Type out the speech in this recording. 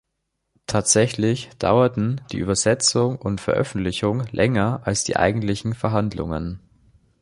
Tatsächlich dauerten die Übersetzung und Veröffentlichung länger als die eigentlichen Verhandlungen.